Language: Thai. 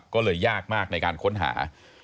ก็เลยยากมากในการค้นหา